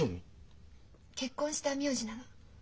結婚した名字なの。